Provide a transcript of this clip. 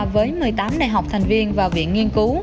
với một mươi tám đại học thành viên và viện nghiên cứu